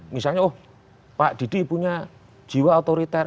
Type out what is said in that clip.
misalnya oh pak didi punya jiwa otoriter